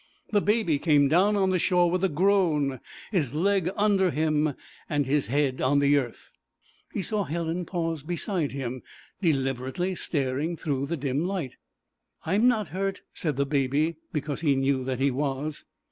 The Baby came down on the shore with a groan, his leg under him and his head on the earth. He saw Helen pause beside him, deliberately staring through the dim light. 'I'm not hurt,' said the Baby, because he knew that he was.